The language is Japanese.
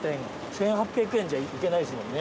１，８００円じゃ行けないですもんね？